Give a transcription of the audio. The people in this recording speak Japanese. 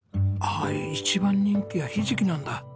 あっ一番人気はひじきなんだ。